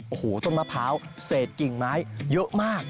โอ้โหต้นมะพร้าวเศษกิ่งไม้เยอะมาก